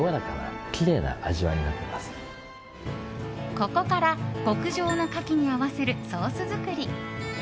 ここから極上のカキに合わせるソース作り。